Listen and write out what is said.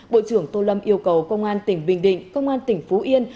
bộ trưởng tô lâm yêu cầu công an tỉnh bình định công an tỉnh phú yên